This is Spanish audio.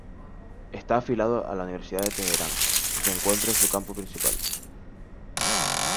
Está afiliado a la Universidad de Teherán y se encuentra en su campus principal.